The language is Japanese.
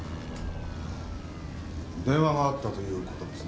電話があったという事ですね。